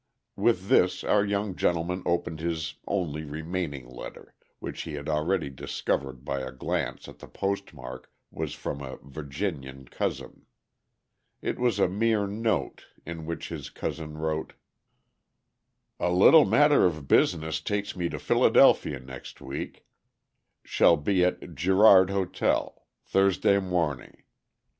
With this our young gentleman opened his only remaining letter, which he had already discovered by a glance at the postmark was from a Virginian cousin. It was a mere note, in which his cousin wrote: "A little matter of business takes me to Philadelphia next week. Shall be at Girard Ho., Thrsd morn'g.